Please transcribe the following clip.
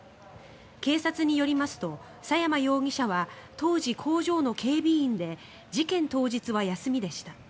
警察によりますと佐山容疑者は当時、工場の警備員で事件当日は休みでした。